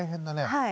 はい。